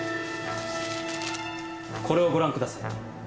これをご覧ください。